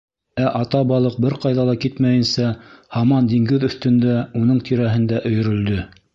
Ә ата балыҡ бер ҡайҙа ла китмәйенсә, һаман диңгеҙ өҫтөндә, уның тирәһендә, өйөрөлдө.